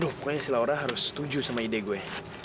loh pokoknya si laura harus setuju sama ide gue